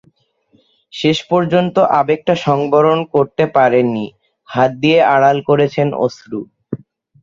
শেষ পর্যন্ত আবেগটা সংবরণ করতে পারেননি, হাত দিয়ে আড়াল করেছেন অশ্রু।